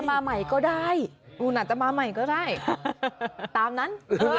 มันอาจจะมาใหม่ก็ได้ตามนั้น